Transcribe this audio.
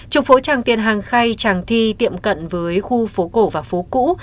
trục phố tràng tiền hàng khay tràng thi tiệm cận với khu phố cổ và phố cũ